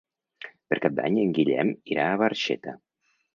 Per Cap d'Any en Guillem irà a Barxeta.